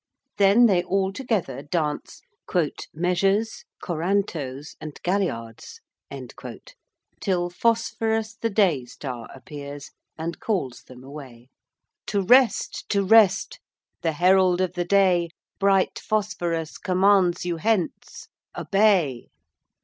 Then they all together dance 'measures, corantos, and galliards,' till Phosphorus the day star appears and calls them away To rest! To rest! The herald of the day, Bright Phosphorus commands you hence. Obey.